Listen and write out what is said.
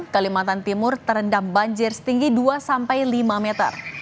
kalimantan timur terendam banjir setinggi dua sampai lima meter